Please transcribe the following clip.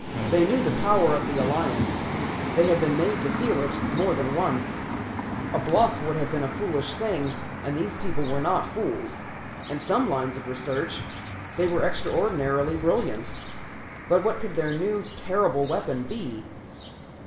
They knew the power of the Alliance; they had been made to feel it more than once. A bluff would have been a foolish thing, and these people were not fools. In some lines of research they were extraordinarily brilliant. But what could their new, terrible weapon be?